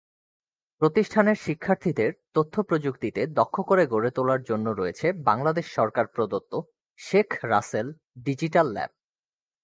প্রতিষ্ঠানের শিক্ষার্থীদের তথ্য প্রযুক্তিতে দক্ষ করে গড়ে তোলার জন্য রয়েছে বাংলাদেশ সরকার প্রদত্ত "শেখ রাসেল ডিজিটাল ল্যাব"।